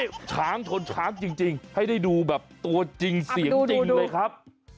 นี่ช้างชนช้างจริงให้ได้ดูแบบตัวจริงเสียงจริงเลยครับ